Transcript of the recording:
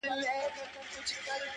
ما خو پخوا مـسـته شــاعـــري كول.